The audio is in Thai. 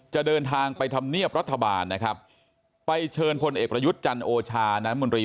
จะเดินทางไปทำเนียบรัฐบาลไปเชิญคนเอกประยุทธจันโอชาน้ำมุนรี